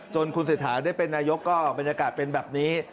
คุณเศรษฐาได้เป็นนายกก็บรรยากาศเป็นแบบนี้